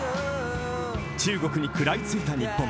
中国に食らいついた日本。